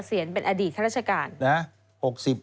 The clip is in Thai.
เกษียณเป็นอดีตครัฐราชการ